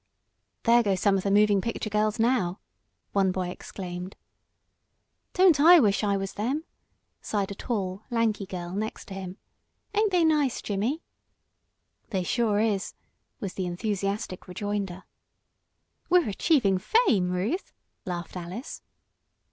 "There go some of the moving picture girls now," one boy exclaimed. "Don't I wish I was them!" sighed a tall, lanky girl next him. "Ain't they nice, Jimmie?" "They sure is!" was the enthusiastic rejoinder. "We're achieving fame, Ruth," laughed Alice.